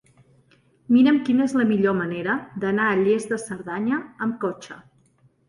Mira'm quina és la millor manera d'anar a Lles de Cerdanya amb cotxe.